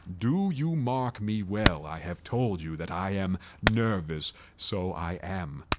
—do you mark me well? I have told you that I am nervous: so I am.